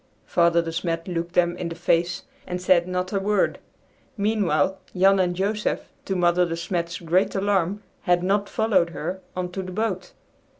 '" Father De Smet looked them in the face and said not a word. Meanwhile Jan and Joseph, to Mother De Smet's great alarm, had not followed her, on to the boat.